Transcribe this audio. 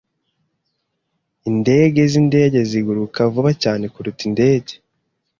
Indege zindege ziguruka vuba cyane kuruta indege.